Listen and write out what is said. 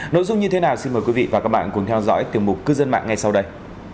nội dung như thế nào xin mời quý vị và các bạn cùng theo dõi tiểu mục cư dân mạng ngay sau đây